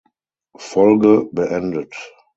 Folge beendet.